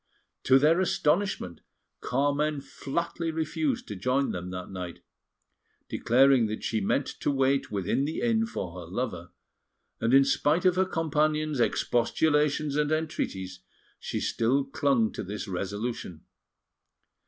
To their astonishment, Carmen flatly refused to join them that night, declaring that she meant to wait within the inn for her lover; and in spite of her companions' expostulations and entreaties, she still clung to this resolution.